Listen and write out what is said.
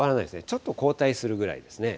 ちょっと後退するぐらいですね。